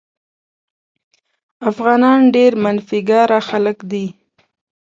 افغانان ډېر منفي ګرا خلک دي.